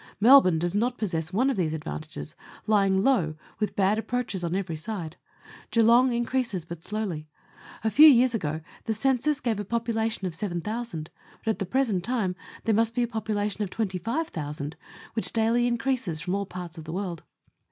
Melbourne does not possess one of these advantages, lying low, with bad approaches on every side. Geelong increases but slowly. A few years ago the census gave a popula tion of seven thousand, but at the present time there must be a population of twenty five thousand, which daily increases from all parts of the world.